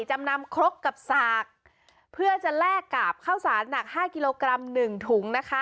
จำนำครบกับสากเพื่อจะแลกกลับเข้าสารหนัก๕กิโลกรัม๑ถุงนะคะ